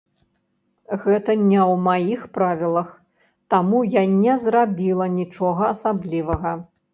Гэта не ў маіх правілах, таму я не зрабіла нічога асаблівага.